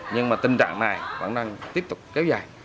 nhưng mà tình trạng này vẫn đang tiếp tục kéo dài